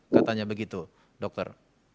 katanya begitu dokter